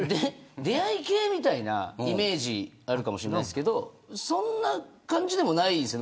出会い系みたいなイメージあるかもしれないですけどそんな感じでもないです。